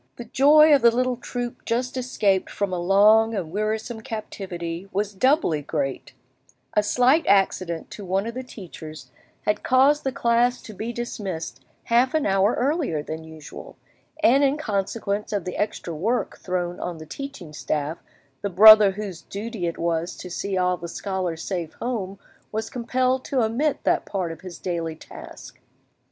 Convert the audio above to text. The joy of the little troop just escaped from a long and wearisome captivity was doubly great: a slight accident to one of the teachers had caused the class to be dismissed half an hour earlier than usual, and in consequence of the extra work thrown on the teaching staff the brother whose duty it was to see all the scholars safe home was compelled to omit that part of his daily task.